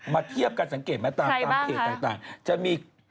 มาเทียบการสังเกตมาตามเกตต่างจะมีใครบ้างคะ